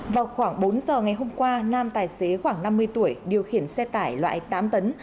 vào khoảng bốn giờ ngày hôm qua nam tài xế khoảng năm mươi tuổi điều khiển xe tải loại tám tấn